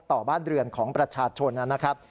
ต่อบ้านเรือนของประชาชนนะครับ